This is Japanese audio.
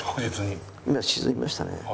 今沈みましたね。